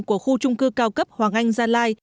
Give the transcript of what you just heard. của khu trung cư cao cấp hoàng anh gia lai